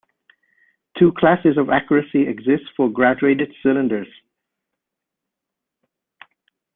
Two classes of accuracy exist for graduated cylinders.